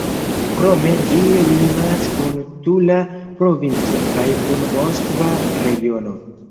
Krome, ĝi limas kun Tula provinco kaj kun Moskva regiono.